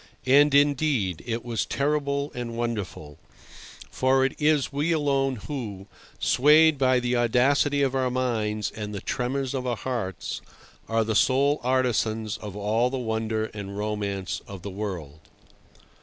And, indeed, it was terrible and wonderful; for it is we alone who, swayed by the audacity of our minds and the tremors of our hearts, are the sole artisans of all the wonder and romance of the world.